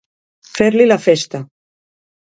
Fer-li la festa.